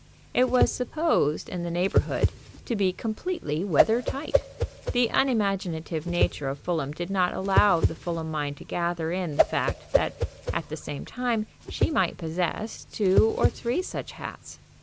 It was supposed in the neighborhood to be completely weather tight. The unimaginative nature of Fulham did not allow the Fulham mind to gather in the fact that, at the same time, she might possess two or three such hats.